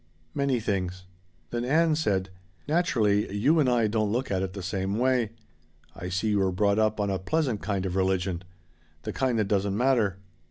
Many things. Then Ann said: "Naturally you and I don't look at it the same way. I see you were brought up on a pleasant kind of religion. The kind that doesn't matter."